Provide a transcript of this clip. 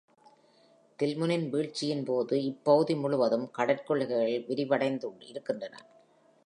தில்முனின் வீழ்ச்சியின் போது இப்பகுதி முழுவதும் கடற்கொள்ளைகள் விரிவடைந்திருந்தன.